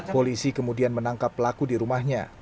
polisi kemudian menangkap pelaku di rumahnya